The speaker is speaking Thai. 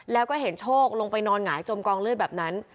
แล้วก็เห็นโชคลงไปนอนหงายจมกองเลือดแบบนั้น